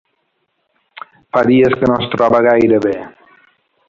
Fa dies que no es troba gaire bé.